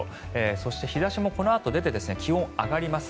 そして、日差しもこのあと出て気温、上がります。